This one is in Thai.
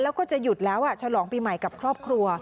แล้วก็จะหยุดแล้วฉลองปีใหม่กับครอบครัว